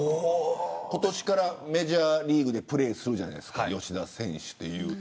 今年からメジャーリーグでプレーするじゃないですか吉田選手というと。